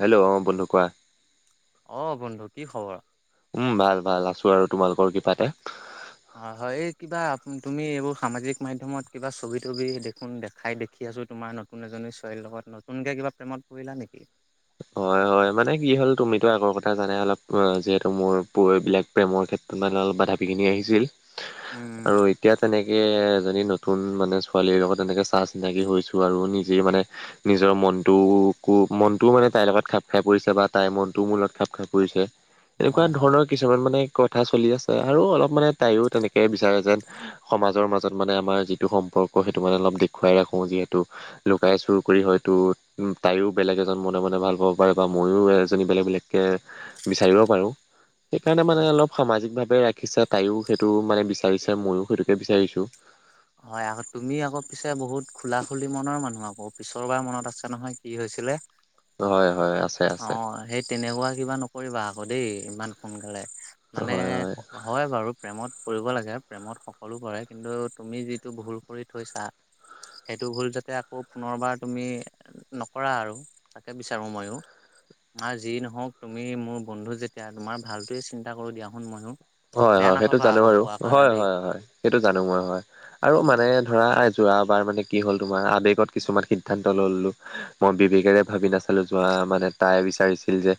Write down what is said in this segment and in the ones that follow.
Hello অ', বন্ধু কোৱা? অ', বন্ধু কি খবৰ। উম, ভাল, ভাল আছোঁ আৰু তোমালোকৰ কৃপাতে। অ', হয় এই কিবা তুমি এইবোৰ সামাজিক মাধ্যমত কিবা ছবি তবি দেখোন দেখাই দেখি। দেখি আছোঁ তোমাৰ নতুন এজনী ছোৱালীৰ লগত নতুনকৈ কিবা প্ৰেমত পৰিলা নেকি? হয়, হয় মানে কি হ'ল তুমিতো আগৰ কথা জানে অলপ অ', যিহেতু মোৰ পৈবিলাক প্ৰেমৰ ক্ষেত্ৰত মানে অলপ বাধা বিঘিনি আহিছিল উম আৰু। এতিয়া তেনেকৈ এজনী নতুন মানে ছোৱালীৰ লগত তেনেকৈ চাহ চিনাকি হৈছোঁ আৰু নিজেই মানে। নিজৰ মনটোকো মনটোও মানে। তাইৰ লগত খাপ খাই পৰিছে বা তাইৰ মনটো মোৰ লগত খাপ খাই পৰিছে এনেকুৱা হয় হয়। ধৰণৰ। কিছুমান মানে কথা চলি আছে আৰু অলপ মানে তাইওঁ তেনেকে বিচাৰে যে সমাজৰ মাজত মানে আমাৰ যিটো সম্পৰ্ক সেইটো মানে অলপ দেখুৱাই ৰাখোঁ যিহেতু। লুকাই চুৰ কৰি হয়তো তাইও বেলেগ এজন ম মানে ভাল পাব পাৰে বা মইও এজনী বেলেগ বেলেকে বিচাৰিব পাৰোঁ, সেইকাৰণে মানে হয় অলপ। সামাজিক ভাৱে ৰাখিছে তাইও সেইটো মানে বিচাৰিছে ময়ো সেইটোকে বিচাৰিছোঁ। হয়, আকৌ তুমি আকৌ পিছে বহুত খোলা খুলি মনৰ মানুহ আকৌ পিছৰবাৰ মনত আছে নহয়। কি হৈছিলে হয় হয় আছে আছে অ', সেই তেনেকুৱা কিবা নকৰিবা আকৌ দেই। ইমান সোনকালে মানে। হয় বাৰু প্ৰেমত পৰিব লাগে, প্ৰেমত সকলো পৰে কিন্তু তুমি যিটো ভুল কৰি থৈছা। সেইটো ভুল যাতে আকৌ পুনৰবাৰ তুমি নকৰা আৰু। তাকে বিচাৰোঁ ময়ো। আমাৰ যি নহওঁক তুমি মোৰ বন্ধু যেতিয়া তোমাৰ ভালটোৱে চিন্তা কৰোঁ দিয়া চোণ মইয়ো। হয়, হয় সেইটো জানো বাৰু হয়, হয়, হয় সেইটো জানো মই হয় আৰু মানে ধৰা। যোৱাবাৰ মানে কি হ'ল তোমাৰ আৱেগত কিছুমান সিদ্ধান্ত ল'লোঁ, মই বিবেকেৰে ভাবি নাচালোঁ যোৱা মানে। তাই বিচাৰিছিল যে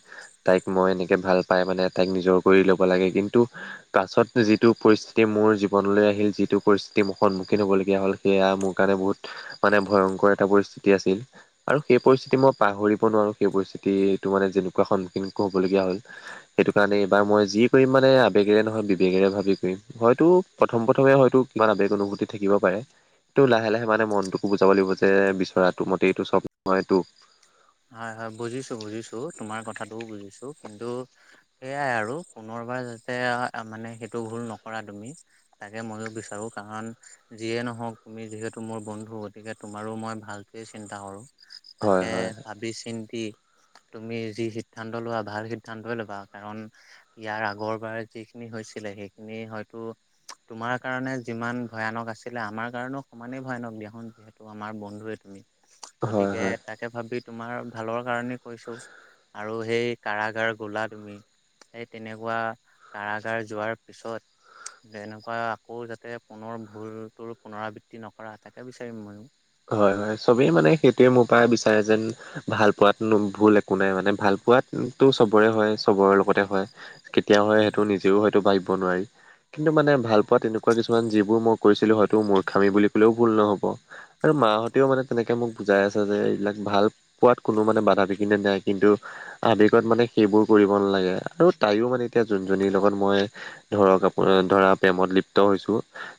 তাইক মই এনেকে ভাল পাই মানে তাইক নিজৰ কৰি ল'ব লাগে, কিন্তু তা পাছত যিটো পৰিস্থিতি মোৰ জীৱনলৈ আহিল, যিটো পৰিস্থিতি মোৰ সন্মুখীন হব লগীয়া হ'ল। সেয়া মোৰ কাৰণে বহুত মানে ভয়ংকৰ এটা পৰিস্থিতি আছিল। আৰু সেই পৰিস্থিতি মই পাহৰিব নোৱাৰোঁ সেই পৰিস্থিতিটো মানে যেনেকুৱা সন্মুখীন হ'বলগীয়া হ'ল। সেইটো কাৰণে এইবাৰ মই যি কৰিম মানে। আবেগেৰে নহয়, বিবেগেৰে ভাবি কৰিম হয়তো প্ৰথম প্ৰথমে হয়তো কিমান আবেগ অনুভূতি থাকিব পাৰে। এইটো লাহে, লাহে মানে মনটোকো বুজাব লাগিব যে বিচৰাটো মতেই এইটো চব নহয়টো। হয়, হয় বুজিছোঁ, বুজিছোঁ তোমাৰ কথাটোও বুজিছোঁ কিন্তু সেয়াই আৰু পুনৰবাৰ যাতে মানে সেইটো ভুল নকৰা তুমি। তাকে ময়ো বিচাৰোঁ কাৰণ। যিয়ে নহওঁক তুমি যিহেতু মোৰ বন্ধু গতিকে তোমাৰো মই ভালটোৱে চিন্তা কৰোঁ। হয় তাকে হয় ভাবি চিন্তি। তুমি যি সিদ্ধান্ত লোৱা ভাল সিদ্ধান্তই ল'বা কাৰণ। ইয়াৰ আগৰবাৰ যিখিনি হৈছিলে, সেইখিনি হয়তো। তোমাৰ কাৰণে যিমান ভয়ানক আছিলে, আমাৰ কাৰণেও সমানেই ভয়ানক দিয়া চোন। ত, আমাৰ বন্ধুৱে তুমি হয় গতিকে হয় তাকে ভাবি তোমাৰ ভালৰ কাৰণে কৈছোঁ। আৰু সেই কাৰাগাৰ গ'লা তুমি। সেই তেনেকুৱা কাৰাগাৰ যোৱাৰ পিছত। যে এনেকুৱা আকৌ যাতে পুনৰ ভুলটো পুনৰাবৃত্তি নকৰা তাকে বিচাৰিম ময়ো। হয়, হয়, চবেই মানে সেইটোৱে মোৰ পৰা বিচাৰে যেন ভালপোৱাত নো ভুল একো নাই মানে, ভালপোৱাত টো চবৰে হয়, চবৰে লগতে হয়, কেতিয়াও হয়, সেইটো নিজেও হয়তো ভাবিব নোৱাৰি। কিন্তু মানে ভালপোৱা তেনেকুৱা কিছুমান যিবোৰ মই কৰিছিলোঁ, হয়তো মূৰ্খামি বুলি ক'লেও ভুল নহ'ব। আৰু মাহঁতেও মানে তেনেকে মোক বুজাই আছে যে এইবিলাক ভাল পোৱাত কোনো মানে বাধাবিঘিনি নাই কিন্তু আৱেগত মানে সেইবোৰ কৰিব নালাগে আৰু তাইও মানে এতিয়া যোনজনীৰ লগত মই ধৰক আপোনাৰ ধৰা প্ৰেমত লিপ্ত হৈছোঁ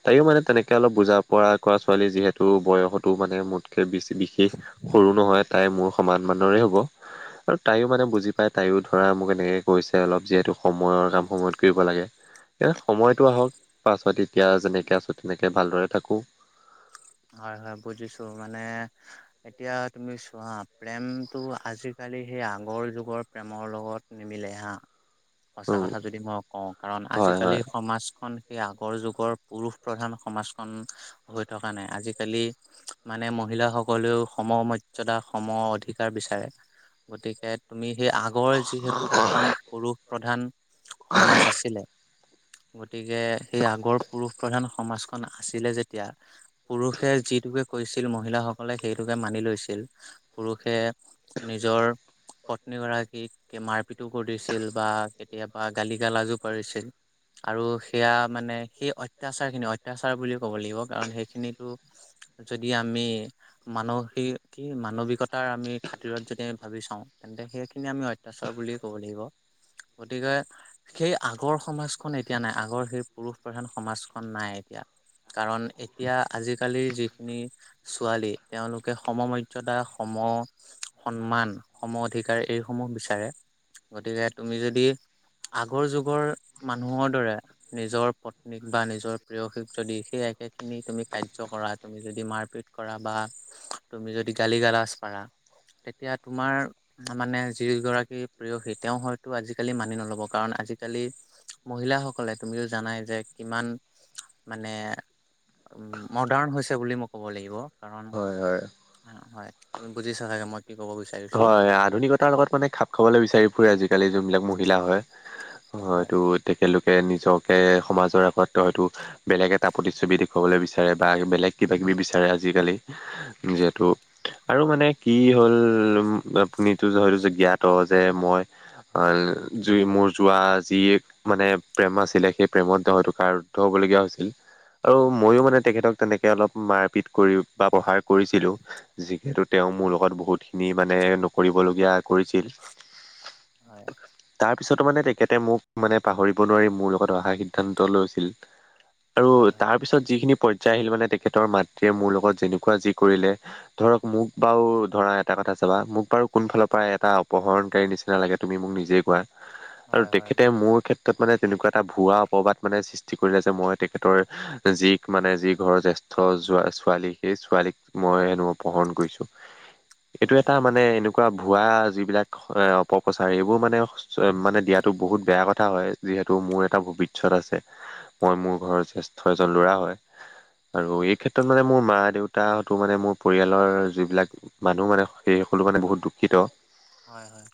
তাইও মানে তেনেকে অলপ বুজা পৰা কৰা ছোৱালী যিহেতু বয়সত টো মানে মোতকে বিশেষ সৰু নহয়, তাই মোৰ সমান মানৰে হ'ব। আৰু তাইও মানে বুজি পায় তাইও ধৰা মোক এনেকে কৈছে অলপ, যিহেতু সময়ৰ কাম সময়ত কৰিব লাগে এ, সময়তো আহক পাছত এতিয়া যেনেকে আছোঁ তেনেকে ভালদৰে থাকোঁ। হয়, হয়, বুজিছোঁ মানে এতিয়া তুমি চোৱা প্ৰেমতটো আজিকালি সেই আগৰ যুগৰ প্ৰেমৰ লগত নিমিলে হা, সঁচা উম কথা যদি মই কওঁ কাৰণ হয় আজিকালি হয় সমাজ খন সেই আগৰ যুগৰ পুৰুষ প্ৰধান সমাজখন হৈ থকা নাই, আজিকালি মানে মহিলাাসকলেও সম মৰ্যদা সম অধিকাৰ বিচাৰে। গতিকে তুমি সেই আগৰ যিহেতু এখন পুৰুষ প্ৰধান সমাজ আছিলে। গতিকে সেই আগৰ পুৰুষ প্ৰধান সমাজখন আছিলে যেতিয়া পুৰুষে যিটোকে কৈছিল মহিলাসকলে সেইটোকে মানি লৈছিল, পুৰুষে নিজৰ পত্নী গৰাকীক মাৰপিটো কৰিছিল বা কেতিয়াবা গালি গালাজো পৰিছিল। আৰু সেয়া মানে সেই অত্যাচাৰখিনি, অত্যাচাৰ বুলি ক'ব লাগিব কাৰণ সেইখিনিত টো যদি আমি মানসিক কি মানৱিকতাৰ আমি খাতিৰত যদি আমি ভাবি চাওঁ তেন্তে সেইখিনি আমি অত্যাচাৰ বুলিয়ে ক'ব লাগিব। গতিকে সেই আগৰ সমাজখন এতিয়া নাই, আগৰ সেই পুৰুষ প্ৰধান সমাজখন নাই এতিয়া। কাৰণ এতিয়া আজিকালিৰ যিখিনি ছোৱালী তেওঁলোকে সম মৰ্যদা, সম সন্মান, সম অধিকাৰ এইসমূহ বিচাৰে। গতিকে তুমি যদি আগৰ যুগৰ মানুহৰ দৰে নিজৰ পত্নীক বা নিজৰ প্ৰেয়সীক যদি সেই একে খিনি তুমি কাৰ্য কৰা তুমি যদি মাৰপিট কৰা বা তুমি যদি গালি গালাজ পাৰা! তেতিয়া তোমাৰ মানে যিগৰাকী প্ৰেয়সী তেওঁ হয়তো আজিকালি মানি নল'ব, কাৰণ আজিকালি মহিলাসকলে তুমিও জানাই যে কিমান মানে মৰ্দান হৈছে বুলি মই ক'ব লাগিব, কাৰণ হয় হয়। হয়, তুমি বুজিছা চাগে মই ক'ব বিচাৰি হয়, আধুনিকতাৰ লগত মানে খাপ খাবলৈ বিচাৰি ফুৰে আজিকালি যোনবিলাক মহিলা হয়। হয় হয়তটো তেখেতলোকে নিজকে সমাজৰ আগত হয়তো বেলেগ এটা প্ৰতিচ্ছবি দেখুৱাবলৈ বিচাৰে বা বেলেগ কিবা কিবি বিচাৰে আজিকালি যিহেতু আৰু মানে কি হ'ল আপুনিটো যে হয়তো যে জ্ঞাত যে মই অ', জুই মোৰ যোৱা যি মানে প্ৰেম আছিলে, সেই প্ৰেমত হয়তো কাৰদ্ধ হবলগীয়া হৈছিল। আৰু মই মানে তেখেতক তেনেকে অলপ মাৰপিট কৰি বা প্ৰহাৰ কৰিছিলোঁ। যিহেতু তেওঁ মোৰ লগত বহুতখিনি মানে নকৰিবলগীয়া কৰিছিল। হয়। তাৰপিছতো মানে তেখেতে মোক মানে পাহৰিব নোৱাৰি, মোৰ লগত অহা সিদ্ধান্ত লৈছিল। আৰু হয় তাৰপিছত যিখিনি পৰ্যায় আহিল মানে তেখেতৰ মাতৃয়ে মোৰ লগত যেনেকুৱা যি কৰিলে ধৰক, মোক বাৰু ধৰা এটা কথা যাবা মোক বাৰু কোনফালৰ পৰা এটা অপহৰণকাৰীৰ নিচিনা লাগে তুমি মোক নিজেই কোৱা। হয় আৰু হয় তেখেতে বুজিছো মোৰ ক্ষেত্ৰত তেত মানে তেনেকুৱা এটা ভুৱা অপবাদ মানে সৃষ্টি কৰিলে যে মই তেখেতৰ যি মানে যি ঘৰৰ জেষ্ঠ যোৱা ছোৱালী সেই ছোৱালীক মই হেনো অপহৰণ কৰিছোঁ। এইটো হয় এটা মানে এনেকুৱা ভুৱা যিবিলাক অপপ্ৰচাৰ এইবোৰ মানে মানে দিয়াতো বহুত বেয়া কথা হয়। যিহেতু মোৰ এটা ভৱিষ্যত আছে মই মোৰ ঘৰৰ জ্যেষ্ঠ এজন ল'ৰা হয়। আৰু এই ক্ষেত্ৰত মানে মোৰ মা দেউতা হয়তো মানে মোৰ পৰিয়ালৰ যিবিলাক মানুহ মানে সেইসকলো মানে বহুত দুখিত। হয়, হয়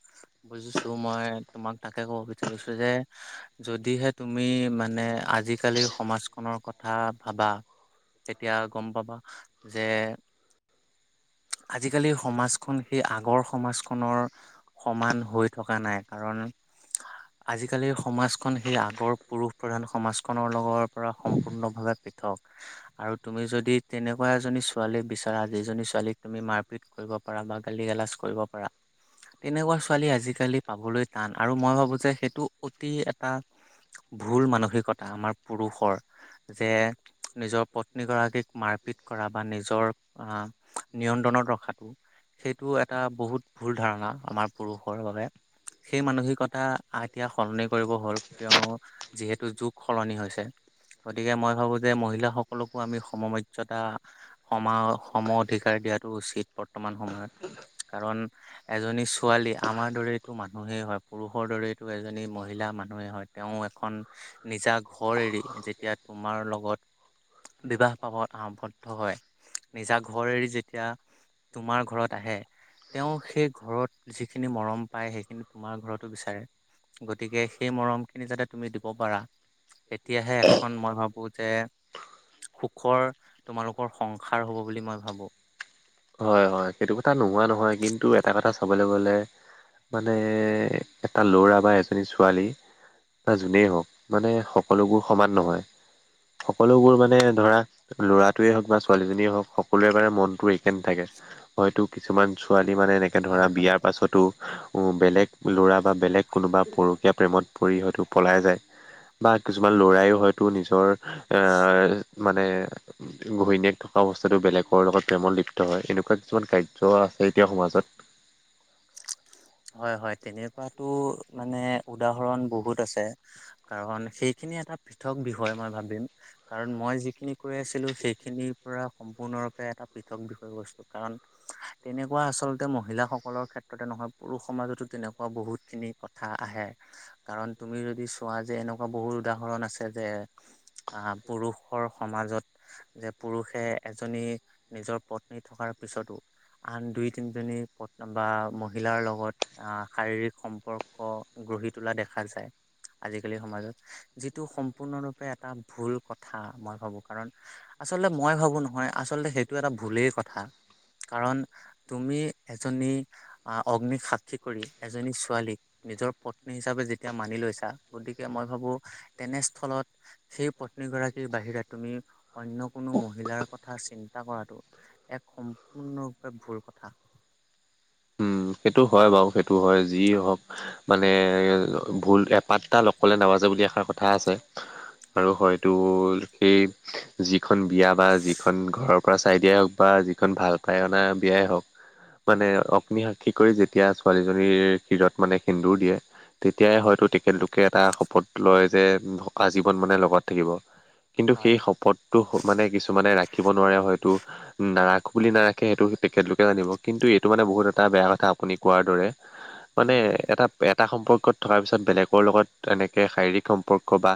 বুজিছো মই তোমাক তাকে কব বিচাৰিছো যে যদিহে তুমি মানে আজিকালিৰ সমাজখনৰ কথা ভাবা। তেতিয়া গম পাবা যে আজিকালিৰ সমাজখন সেই আগৰ সমাজখন খনৰ সমান হৈ থকা নাই কাৰণ আজিকালিৰ সমাজখন সেই আগৰ পুৰুষ প্ৰধান সমাজখনৰ লগৰ পৰা সম্পূৰ্ণভাৱে আৰু তুমি যদি তেনেকুৱা এজনী ছোৱালী বিচাৰা যিজনী ছোৱালীক তুমি মাৰ পিত কৰিব পাৰা বা গালি গালাজ কৰিব পাৰা। তেনেকুৱা ছোৱালী আজিকালি পাবলৈ টান আৰু মই ভাবো যে সেইটো অতি এটা ভুল মানসিকতা আমাৰ পুৰুষৰ যে নিজৰ পত্নী গৰাকীক মাৰপিত কৰা বা নিজৰ আহ নিয়ন্ত্ৰণত ৰখাতটো সেইটো এটা বহুত ভুল ধাৰণা আমাৰ পুৰুষৰ বাবে। সেই মানসিকতা এতিয়া সলনি কৰিব হ'ল কিয়নো যিহেতু যুগ সলনি হৈছে। গতিকে মই ভাবো যে মহিলাসকলকো আমি সম মৰ্য্যদা সমা সম অধিকাৰ দিয়াতটো উচিত বৰ্তমান সময়ত কাৰণ এজনী ছোৱালী আমাৰ দৰেইতো মানুহেই হয় পুৰুষৰ দৰেইতো এজনী মহিলা মানুহেই হয়। তেওঁ এখন নিজা ঘৰ এৰি যেতিয়া তোমাৰ লগত বিবাহ পাব আৱদ্ধ হয় নিজা ঘৰেৰে যেতিয়া তোমাৰ ঘৰত আহে। তেওঁ সেই ঘৰত যিখিনি মৰম পায় সেইখিনি তোমাৰ ঘৰতো বিচাৰে। গতিকে সেই মৰম খিনি যাতে তুমি দিব পাৰা। তেতিয়াহে এখন মই ভাবো যে সুখৰ তোমালোকৰ সংসাৰ হ'ব বুলি মই ভাবো। হয়, হয় সেইটো কথা নোহোৱা নহয় কিন্তু এটা কথা চাবলৈ গ'লে মানে এটা ল'ৰা বা এজনী ছোৱালী বা যোনে হওঁক মানে সকলোবোৰ সমান নহয়। সকলোবোৰ মানে ধৰা ল'ৰাটোৱে হওক বা ছোৱালীজনীয়ে হওক সকলোৰে মানে মনত এক নথাকে হয়তো কিছুমান ছোৱালী মানে এনেকে হয় ধৰা হয় বিয়াৰ পাছতো বেলেগ ল'ৰা বা বেলেগ কোনোবা পৰুকীয়া প্ৰেমত পৰি হয়তো পলাই যায়। বা কিছুমান ল'ৰাইও হয়তো নিজৰ মানে ঘহণীয়েক থকা অৱস্থাটো বেলেগৰ লগত প্ৰেমত লিপ্ত হয় এনেকুৱা কিছুমান কাৰ্য আছে এতিয়া সমাজত। হয়, হয়, তেনে পৰাতো মানে উদাহৰণ বহুত আছে। কাৰণ সেইখিনি এটা পৃথক বিষয় মই ভাবিম। কাৰণ মই যিখিনি কৈ আছিলো সেইখিনিৰ পৰা সম্পূৰ্ণৰূপে এটা পৃথক বিষয় বস্তু কাৰণ তেনেকুৱা আচলতে মহিলাসকলৰ ক্ষেত্ৰত সতে নহয় পুৰুষ সমাজতো তেনেকুৱা বহুতখিনি কথা আহে। কাৰণ তুমি যদি চোৱা যে এনেকুৱা বহুত উদাহৰণ আছে যে আহ পুৰুষৰ সমাজত যে পুৰুষে এজনী নিজৰ পত্নী থকাৰ পিছতো আন দুই তিনিজনী প্ন বা মহিলাৰ লগত আহ শাৰীৰিক সম্পৰ্ক গঢ়ি তোলা দেখা যায়। আজিকালি সমাজত যিটো সম্পূৰ্ণৰূপে এটা ভুল কথা মই ভাবো কাৰণ আচলতে মই ভাবো নহয় আচলতে সেইটো এটা ভুলেই কথা। কাৰণ তুমি এজনী আহ অগ্নিক সাক্ষী কৰি এজনী ছোৱালীক নিজৰ পত্নী হিচাপে যেতিয়া মানি লৈছা গতিকে মই ভাবো তেনেস্থলত সেই পত্নী গৰাকীৰ বাহিৰে তুমি অন্য কোনো মহিলাৰ কথা চিন্তা কৰাটো এক সম্পূৰ্ণৰূপে ভুল কথা। উম সেইটো হয় বাৰু সেইটো হয় যি হওক মানে ভুল এপাতটা লগ পলে নাবাজে বুলি এষাৰ কথা আছে। আৰু হয়তো সেই যিখন বিয়া বা যিখন ঘৰৰ পৰা চাই দিয়াই হওক বা যিখন ভাল পায় অনা বিয়াই হওঁক মানে অগ্নিশ কি কৰি যেতিয়া ছোৱালীজনীৰ শিৰত মানে সেন্দুৰ দিয়ে তেতিয়াই হয়তো তেখেতলোকে এটা শপত লয় যে আজীৱন মানে লগত থাকিব। কিন্তু হয়। সেই শপতটো মানে কিছুমানে ৰাখিব নোৱাৰে হয়তো। নাৰাখো বুলি নাৰাখে সেইটো তেখেতলোকে জানিব কিন্তু এইটো মানে বহুত এটা বেয়া কথা আপুনি কোৱাৰ দৰে, মানে উম। এটা এটা সম্পৰ্কত থকাৰ পিছত বেলেগৰ লগত এনেকৈ শাৰীৰিক সম্পৰ্ক বা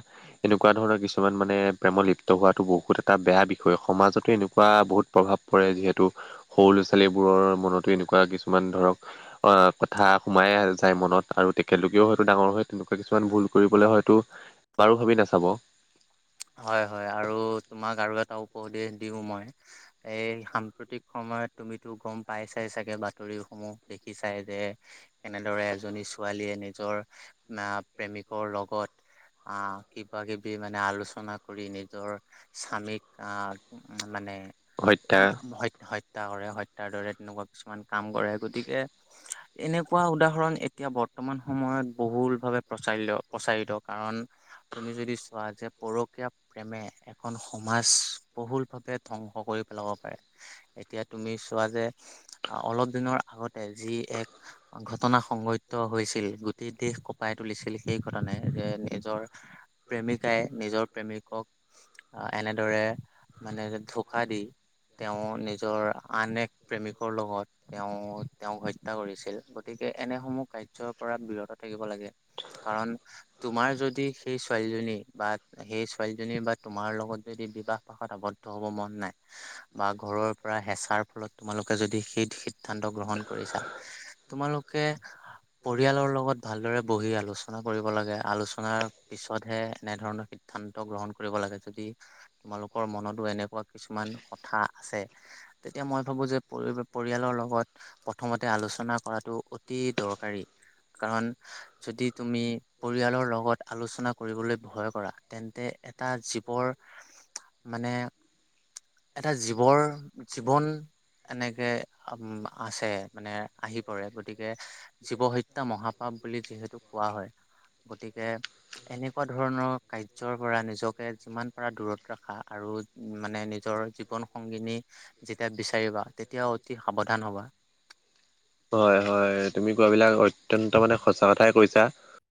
এনেকুৱা ধৰণৰ কিছুমান মানে প্ৰেম লিপ্ত হোৱাটো বহুত এটা বেয়া বিষয় সমাজতো এনেকুৱা বহুত প্ৰভাৱ পৰে যিহেতু সৰু ল'ৰা ছোৱালীবোৰৰ মনতো এনেকুৱা কিছুমান ধৰক অ' কথা সোমাই যায় মনত আৰু তেখেতলোকেও হয়তো ডাঙৰ হৈ তেনেকুৱা কিছুমান ভুল কৰিবলৈ হয়তো বাৰু ভাবি নাচাব। হয় হয় আৰু তোমাক আৰু এটা উপদেশ দিও মই এই সাম্প্ৰতিক সময়ত তুমিতো গম পাইছাই চাগে বাতৰিসমূহ দেখিছাই যে এনেদৰে এজনী ছোৱালীয়ে নিজৰ না প্ৰেমিকৰ লগত আ কিবা কিবি মানে আলোচ চনা কৰি নিজৰ স্বামীক আহ মানে হত্যা হৈত-হৈত হত্যা কৰে হত্যাৰ দৰে তেনেকুৱা কিছুমান কাম কৰে গতিকে এনেকুৱা উদাহৰণ এতিয়া বৰ্তমান সময়ত বহুল ভাৱে প্ৰচাইল্ল প্ৰচাৰিত কাৰণ তুমি যদি চোৱা যে পৰ প্ৰেমে এখন সমাজ বহুল ভাৱে ধ্বংস কৰি পেলাব পাৰে। এতিয়া তুমি চোৱা যে অলপ দিনৰ আগতে যি এক ঘটনা সংঘটিত হৈছিল গোটেই দেশ কপাই তুলিছিল সেই ঘটনাই যে নিজৰ প্ৰেমিকাই নিজৰ প্ৰেমিকক আহ এনেদৰে মানে ঢোকা দি তেওঁ নিজৰ আন এক প্ৰেমিকৰ লগত তেওঁ তেওঁক হত্যা কৰিছিল গতিকে এনেসমূহ কাৰ্যৰ পৰা বিৰত থাকিব লাগে। কাৰণ তোমাৰ যদি সেই ছোৱালীজনী বা সেই ছোৱালীজনীৰ বা তোমাৰ লগত যদি বিবাহ পাশত আবদ্ধ হ'ব মন নাই। বা ঘৰৰ পৰা হেঁচাৰ ফলত তোমালোকে যদি সেই সিদ্ধান্ত গ্ৰহণ কৰিছা। তোমালোকে পৰিয়ালৰ লগত ভালদৰে বহি আলোচনা কৰিব লাগে আলোচনাৰ পিছতহে এনেধৰণৰ সিদ্ধান্ত গ্ৰহণ কৰিব লাগে যদি তোমালোকৰ মনতো এনেকুৱা কিছুমান কথা আছে। তেতিয়া মই ভাবো যে পৰি-পৰিয়ালৰ লগত প্ৰথমতে আলোচনা কৰাটো অতি দৰকাৰী কাৰণ যদি তুমি পৰিয়ালৰ লগত আলোচনা কৰিবলৈ ভয় কৰা তে এটা জীৱৰ মানে এটা জীৱৰ জীৱন এনেকে উম আছে মানে আহি পৰে গতিকে জীৱ হত্যা মহাপাপ বুলি [unintelligible] যিহেতু কোৱা হয় গতিকে এনেকুৱা ধৰণৰ কাৰ যৰ পৰা নিজকে যিমান পাৰা দূৰত ৰাখা আৰু মানে নিজৰ জীৱন সংগিনী। যেতিয়া বিচাৰিবা তেতিয়াও অতি সাৱধান হ'বা। হয় হয় তুমি কোৱা বিলাক অত্যন্ত মানে সঁচা কথাই কৈছা।